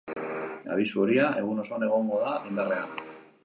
Abisu horia egun osoan egongo da indarrean.